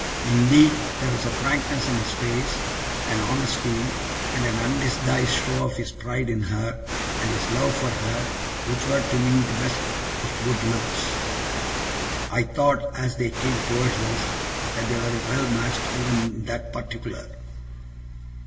Indeed, there was a frankness in his face, an honesty, and an undisguised show of his pride in her, and his love for her, which were, to me, the best of good looks. I thought, as they came towards us, that they were well matched even in that particular.